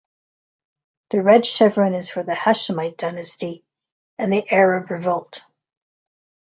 The red chevron is for the Hashemite dynasty, and the Arab Revolt.